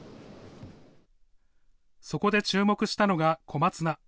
そこで注目したのが小松菜。